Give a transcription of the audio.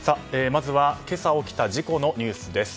まずは今朝起きた事故のニュースです。